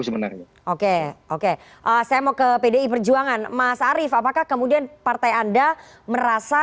sebenarnya oke oke saya mau ke pdi perjuangan mas arief apakah kemudian partai anda merasa